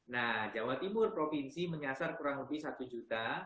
nah jawa timur provinsi menyasar kurang lebih satu juta